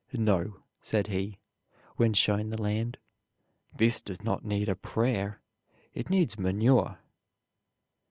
"No," said he, when shown the land, "this does not need a prayer; it needs manure."